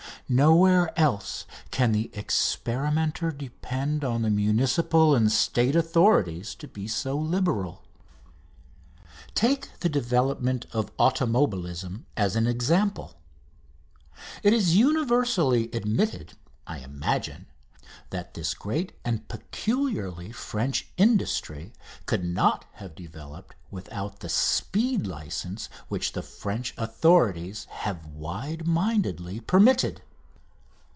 Nowhere else can the experimenter depend on the municipal and State authorities to be so liberal. Take the development of automobilism as an example. It is universally admitted, I imagine, that this great and peculiarly French industry could not have developed without the speed licence which the French authorities have wide mindedly permitted.